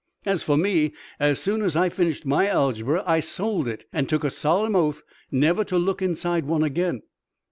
As for me, as soon as I finished my algebra I sold it, and took a solemn oath never to look inside one again.